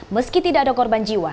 meski tidak ada korban jiwa